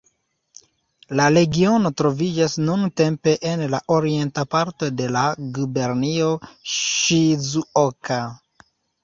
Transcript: La regiono troviĝas nuntempe en la orienta parto de la gubernio Ŝizuoka.